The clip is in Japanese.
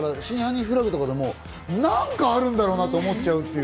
『真犯人フラグ』とかでも、何かあるんだろうなと思っちゃう。